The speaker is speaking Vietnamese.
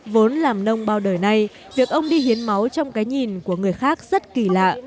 vốn làm nông bao đời nay việc ông đi hiến máu trong cái nhìn của người khác rất kỳ lạ